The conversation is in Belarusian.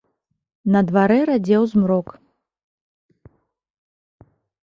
На дварэ радзеў змрок.